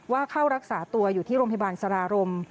เข้ารักษาตัวอยู่ที่โรงพยาบาลสารารม